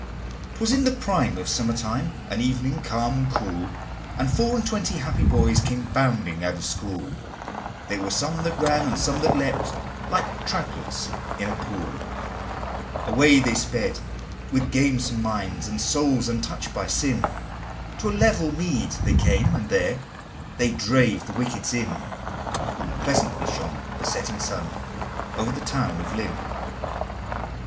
'Twas in the prime of summer time, An evening calm and cool, And four and twenty happy boys Came bounding out of school: There were some that ran and some that leapt, Like troutlets in a pool. II. Away they sped with gamesome minds, And souls untouch'd by sin; To a level mead they came, and there They drave the wickets in: Pleasantly shone the setting sun Over the town of Lynn. III.